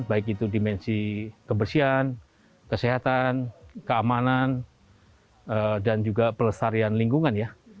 baik itu dimensi kebersihan kesehatan keamanan dan juga pelestarian lingkungan ya